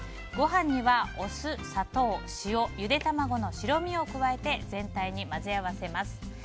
ご飯にはお酢、砂糖、塩ゆで卵の白身を加えて全体に混ぜ合わせます。